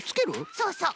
そうそう！